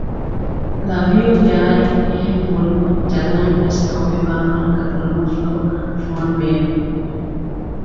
ލަވް ޔޫ ޔާރިން އެހެން ބުނުމުން ޖަލާންވެސް ލޯބިވާ ވާހަކަ ބުނުމަށްފަހު ފޯނު ބޭއްވި